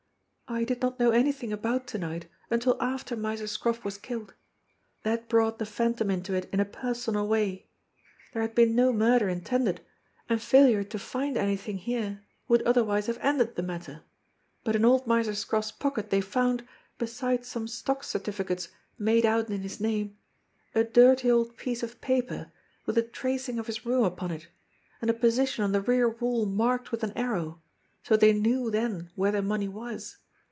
"I did not know anything about to night until after Miser Scroff was killed. That brought the Phantom into it in a personal way. There had been no murder intended, and failure to find anything here would otherwise have ended the matter; but in old Miser Scroll's pocket they found, besides some stock certificates made out in his name, a dirty old piece of paper with a tracing of his room upon it, and a position on the rear wall marked with an arrow, so they knew then where the money was.